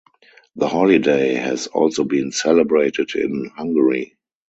The holiday has also been celebrated in Hungary.